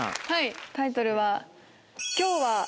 はいタイトルは「今日は」。